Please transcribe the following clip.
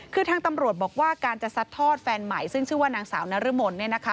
คือทางตำรวจบอกว่าการจะซัดทอดแฟนใหม่ซึ่งชื่อว่านางสาวนรมน